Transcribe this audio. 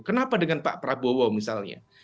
kenapa dengan pak prabowo misalnya